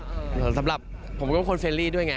สำหรับผมก็เป็นคนเฟรลี่ด้วยไง